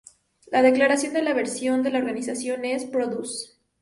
La declaración de la visión de la organización es: Produce.